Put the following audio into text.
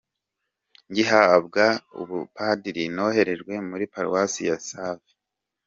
Ngihabwa ubupadiri, noherejwe muri Paruwasi ya Save.